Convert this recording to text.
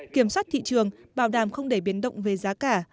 kiểm soát thị trường bảo đảm không để biến động về giá cả